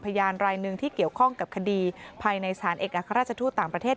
พยานรายหนึ่งที่เกี่ยวข้องกับคดีภายในสารเอกอัครราชทูตต่างประเทศ